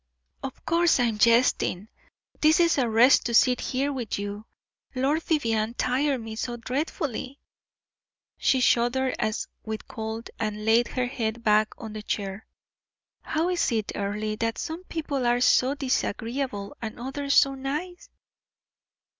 "Of course I am jesting. This is a rest to sit here with you. Lord Vivianne tired me so dreadfully." She shuddered as with cold, and laid her head back on the chair. "How is it, Earle, that some people are so disagreeable and others so nice?"